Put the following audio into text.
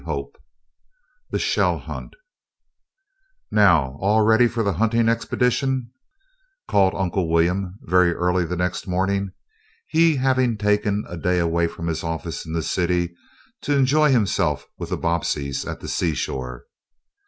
CHAPTER X THE SHELL HUNT "Now, all ready for the hunting expedition," called Uncle William, very early the next morning, he having taken a day away from his office in the city, to enjoy himself with the Bobbseys at the seashore.